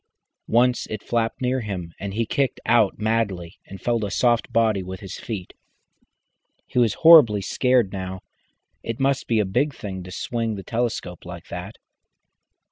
Once it flapped near him, and he kicked out madly and felt a soft body with his feet. He was horribly scared now. It must be a big thing to swing the telescope like that.